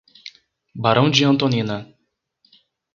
Barão de Antonina